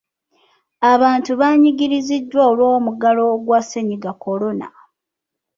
Abantu banyigiriziddwa olw’omuggalo ogwa ssenyiga Kolona.